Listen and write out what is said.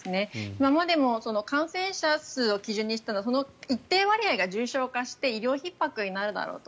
今までも感染者数を基準にして一定割合が重症化して医療ひっ迫になるだろうと。